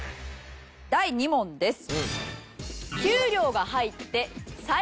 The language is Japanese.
第２問です。